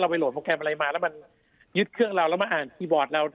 ไปโหลดโปรแกรมอะไรมาแล้วมันยึดเครื่องเราแล้วมาอ่านคีย์บอร์ดเรา